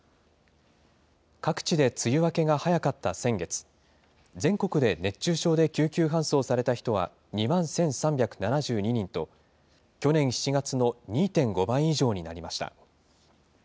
各地で梅雨明けが早かった先月、全国で熱中症で救急搬送された人は２万１３７２人と、去年７月の２．５倍以上になりました。